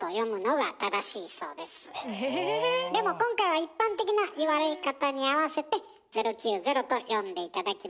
でも今回は一般的な言われ方に合わせて「０９０」と読んで頂きました。